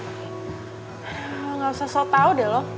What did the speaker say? engga usah sok tau deh lu